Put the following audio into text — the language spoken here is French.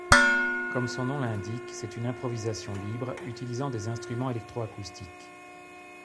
Comme son nom l'indique, c'est une improvisation libre utilisant des instruments électroacoustiques.